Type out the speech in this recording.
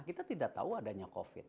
kita tidak tahu adanya covid